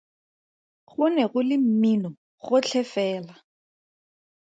Go ne go le mmino gotlhe fela.